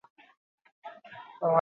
Beste hirurak atzerago gelditu ziren.